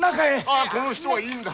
あっこの人はいいんだ。